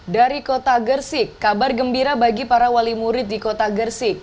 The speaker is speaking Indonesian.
dari kota gersik kabar gembira bagi para wali murid di kota gersik